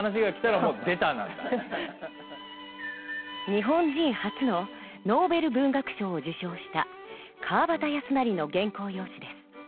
日本人初のノーベル文学賞を受賞した川端康成の原稿用紙です。